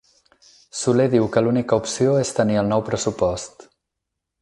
Soler diu que l'única opció és tenir el nou pressupost